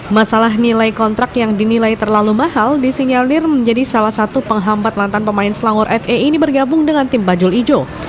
masalah nilai kontrak yang dinilai terlalu mahal disinyalir menjadi salah satu penghambat mantan pemain selangor fa ini bergabung dengan tim bajul ijo